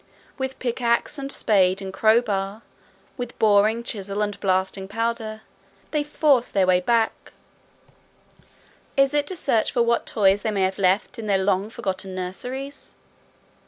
With pickaxe and spade and crowbar, with boring chisel and blasting powder, they force their way back: is it to search for what toys they may have left in their long forgotten nurseries?